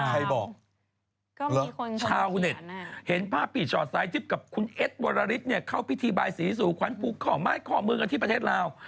ใครบอกชาวเน็ตเห็นภาพี่ชอตซ้ายจิ๊บกับคุณเอ็ดโบราฬิษฐ์เข้าพิธีบายศรีศูขวัญภูมิของบ้านของเมืองกันที่ประเทศลาว